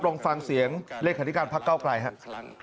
ลองฟังเสียงเลขาธิการพักเก้าไกลครับ